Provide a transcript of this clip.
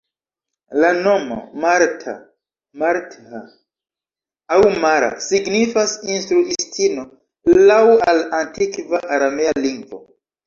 La nomo "Marta", "Martha" aŭ "Mara" signifas "instruistino", laŭ al antikva aramea lingvo.